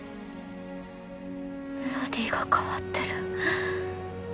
メロディーが変わってる。